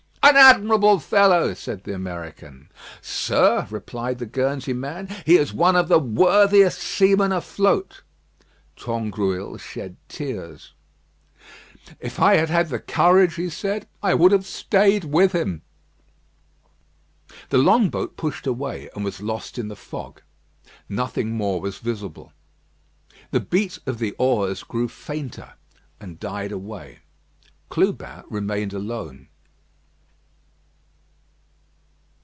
"An admirable fellow!" said the American. "Sir," replied the Guernsey man, "he is one of the worthiest seamen afloat." Tangrouille shed tears. "If I had had the courage," he said, "I would have stayed with him." The long boat pushed away, and was lost in the fog. Nothing more was visible. The beat of the oars grew fainter, and died away. Clubin remained alone.